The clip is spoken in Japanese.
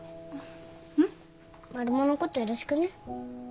マルモのことよろしくね。